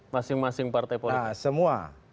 masing masing partai politik semua